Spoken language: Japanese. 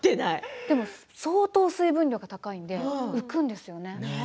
でも相当、水分量が高いので浮くんですよね。